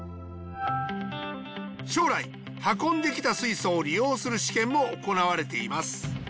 将来運んできた水素を利用する試験も行われています。